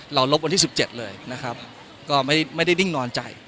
ลบวันที่๑๗เลยนะครับก็ไม่ได้ดิ้งนอนใจ